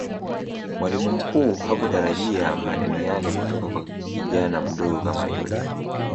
mwalimu mkuu hakutarajia maneno yale kutoka kwa kijana mdogo kama yule